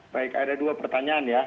baik ada dua pertanyaan ya